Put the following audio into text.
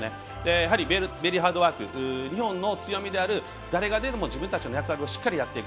やはりベリーハードワーク日本の強みでもある誰が出ても自分の役割をしっかりやっていく。